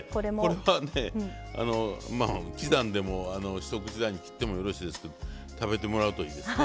これはね刻んでも一口大に切ってもよろしいですけど食べてもらうといいですね。